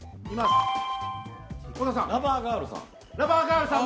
ラバーガールさん？